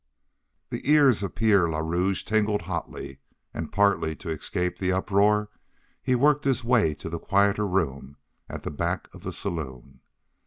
The ears of Pierre le Rouge tingled hotly, and partly to escape the uproar he worked his way to the quieter room at the back of the saloon.